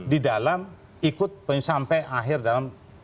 di dalam ikut sampai akhir dalam